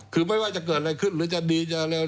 คือไม่ว่าจะเกิดอะไรขึ้นหรือจะดีจะเร็ว